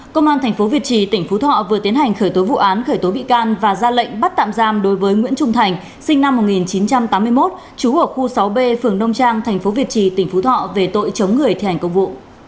công an tp việt trì tỉnh phú thọ vừa tiến hành khởi tố vụ án khởi tố bị can và ra lệnh bắt tạm giam đối với nguyễn trung thành sinh năm một nghìn chín trăm tám mươi một trú ở khu sáu b phường nông trang tp việt trì tỉnh phú thọ về tội chống người thi hành công vụ